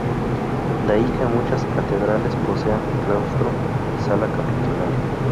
De ahí que muchas catedrales posean claustro y sala capitular.